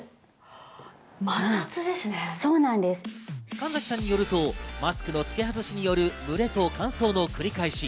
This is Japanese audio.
神崎さんによると、マスクの付け外しによる蒸れと乾燥の繰り返し。